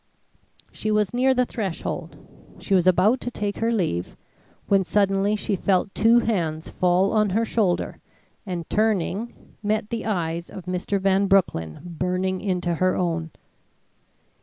She was near the threshold she was about to take her leave, when suddenly she felt two hands fall on her shoulder, and turning, met the eyes of Mr. Van Broecklyn burning into her own.